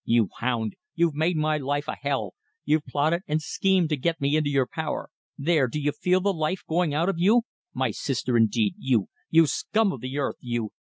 "You hound! You've made my life a hell! You've plotted and schemed to get me into your power!... There! Do you feel the life going out of you?... My sister, indeed! You!... You scum of the earth! You